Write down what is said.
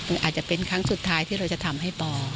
มันอาจจะเป็นครั้งสุดท้ายที่เราจะทำให้ปอ